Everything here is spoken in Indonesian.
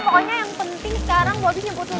pokoknya yang penting sekarang bobi ikut susan